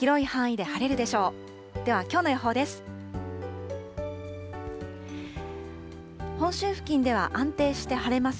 では、きょうの予報です。